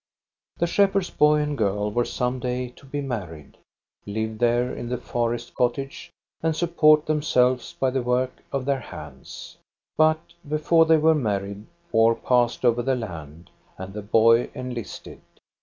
The shepherd's boy and girl were some day to be married, live there in the forest cottage, and support THE FOREST COTTAGE 439 themselves by the work of their hands. But before they were married, war passed over the land, and the boy enlisted.